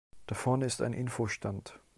Da vorne ist ein Info-Stand.